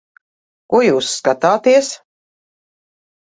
Ko jūs skatāties?